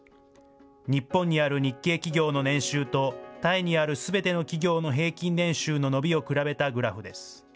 日本にある日系企業の年収と、タイにあるすべての企業の平均年収の伸びを比べたグラフです。